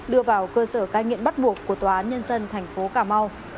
đưa vào cơ sở cai nghiện bắt buộc của tòa nhân dân tp hcm